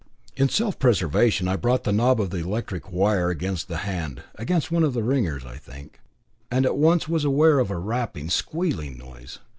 In self preservation I brought up the knob of the electric wire against the hand against one of the ringers, I think and at once was aware of a rapping, squealing noise.